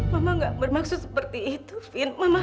mama gak bermaksud seperti itu fin